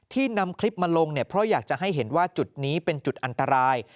นำคลิปมาลงเนี่ยเพราะอยากจะให้เห็นว่าจุดนี้เป็นจุดอันตราย